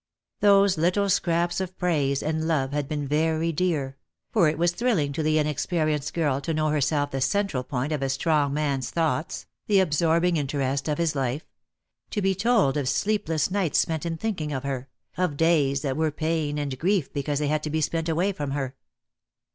Those little scraps of praise and love had been very dear, for it was thrilling to the inexperienced girl to know herself the central point of a strong man's thoughts, the absorbing interest of his life — to be told of sleepless nights spent in thinking of her, of days that were pain and grief because they had to be spent away from her.